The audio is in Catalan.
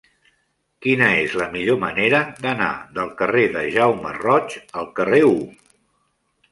Quina és la millor manera d'anar del carrer de Jaume Roig al carrer U?